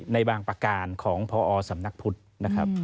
ในบางประการของพอสำนักพุทธนะครับ